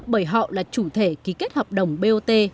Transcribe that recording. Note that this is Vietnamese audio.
bởi họ là chủ thể ký kết hợp đồng bot